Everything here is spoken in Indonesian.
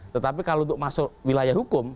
tetapi kalau untuk masuk wilayah hukum